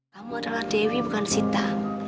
kamu adalah dewi bukan sita